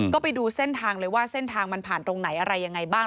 ก็ไปดูเส้นทางเลยว่าเส้นทางมันผ่านตรงไหนอะไรยังไงบ้าง